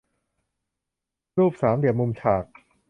รูปสามเหลี่ยมมุมฉาก